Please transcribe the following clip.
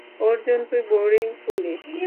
অর্জুন, তুই boring police.